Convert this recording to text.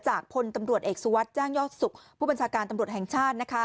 พลตำรวจเอกสุวัสดิ์แจ้งยอดสุขผู้บัญชาการตำรวจแห่งชาติ